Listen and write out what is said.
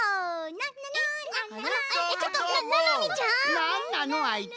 なんなのあいつ。